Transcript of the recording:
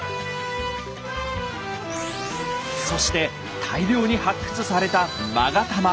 そして大量に発掘された勾玉。